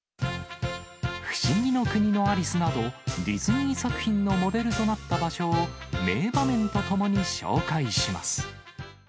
不思議の国のアリスなど、ディズニー作品のモデルとなった場所を名場面とともに紹介します。